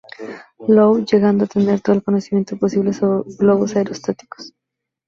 Lowe, llegando a tener todo el conocimiento posible sobre globos aerostáticos.